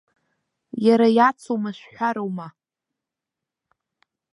Иара иацу мышәҳәарума?